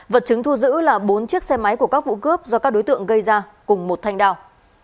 vật chứng thu giữ là bốn chiếc xe máy của các vụ cướp do các đối tượng gây ra cùng một thanh đào